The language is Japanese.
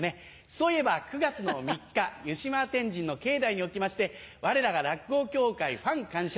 そういえば９月の３日湯島天神の境内におきまして我らが落語協会ファン感謝